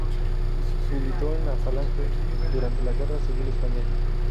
Militó en la Falange durante la Guerra Civil Española.